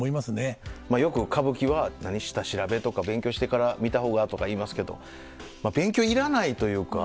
まあよく「歌舞伎は下調べとか勉強してから見た方が」とか言いますけどまあ勉強いらないというか。